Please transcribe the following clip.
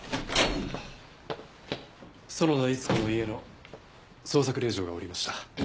園田逸子の家の捜索令状が下りました。